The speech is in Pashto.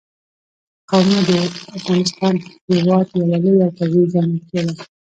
قومونه د افغانستان هېواد یوه لویه او طبیعي ځانګړتیا ده.